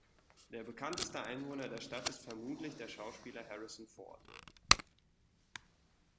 Der bekannteste Einwohner der Stadt ist vermutlich der Schauspieler Harrison Ford.